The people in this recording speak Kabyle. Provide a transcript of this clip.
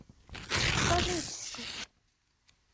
Teṭṭalay deg ssqef.